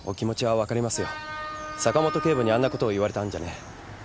坂本警部にあんなことを言われたんじゃね。